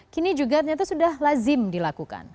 kini juga ternyata sudah lazim dilakukan